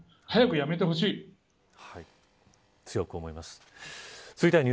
早く辞めてほしい。